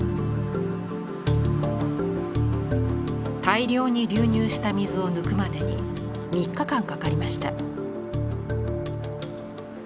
大量に流入した水を抜くまでに３日間かかりました。